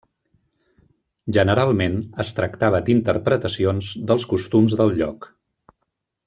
Generalment es tractava d'interpretacions dels costums del lloc.